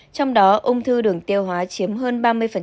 trong đó ung thư đường tiêu hóa chiếm hơn ba mươi